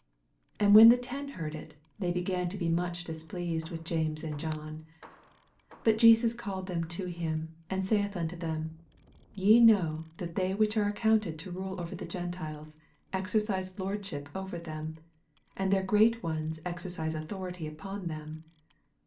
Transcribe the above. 41 And when the ten heard it, te> began to be much displeased with James and John. 42 But Jesus 'called them to Mm, and saith unto them, Ye know that they which are accounted to rule over the Gentiles exercise lordship over them : and their great ones exercise authority upon them.